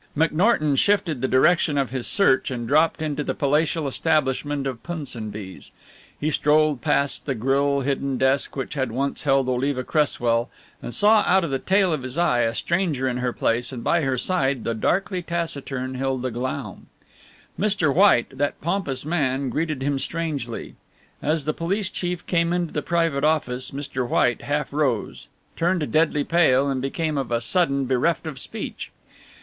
McNorton shifted the direction of his search and dropped into the palatial establishment of Punsonby's. He strolled past the grill hidden desk which had once held Oliva Cresswell, and saw out of the tail of his eye a stranger in her place and by her side the darkly taciturn Hilda Glaum. Mr. White, that pompous man, greeted him strangely. As the police chief came into the private office Mr. White half rose, turned deadly pale and became of a sudden bereft of speech.